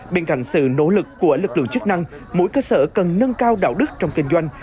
bên cạnh sự nỗ lực của lực lượng chức năng mỗi cơ sở cần nâng cao đạo đức trong kinh doanh